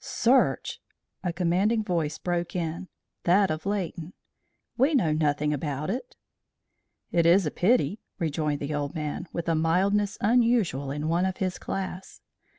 "Search!" a commanding voice broke in that of Leighton. "We know nothing about it." "It is a pity," rejoined the old man, with a mildness unusual in one of his class.